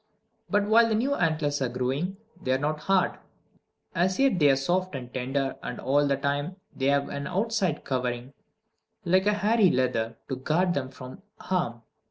But while the new antlers are growing, they are not hard. As yet they are soft and tender, and all that time they have an outside covering like hairy leather, to guard them from harm.